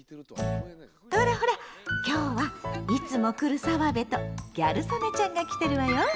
ほらほら今日はいつも来る澤部とギャル曽根ちゃんが来てるわよ！